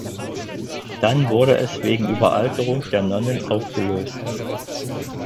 Dann wurde es wegen Überalterung der Nonnen aufgelöst.